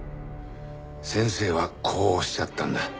先生はこうおっしゃったんだ。